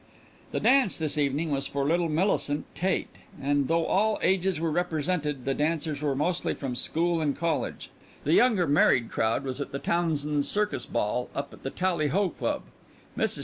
The dance this evening was for little Millicent Tate, and though all ages were represented, the dancers were mostly from school and college the younger married crowd was at the Townsends' circus ball up at the Tallyho Club. Mrs.